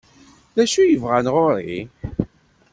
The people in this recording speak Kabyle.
D acu ay bɣant ɣer-i?